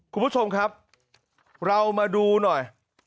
คุณผู้ชมครับเรามาดูหน่อย